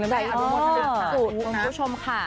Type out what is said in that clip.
ขอขอบคุณผู้ชมค่ะ